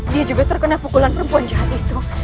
dia juga terkena pukulan perempuan jahat itu